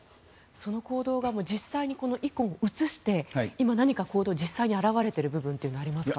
その行動が実際にこのイコンを移して今、行動に実際に何か表れている部分はありますか？